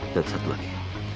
dan satu lagi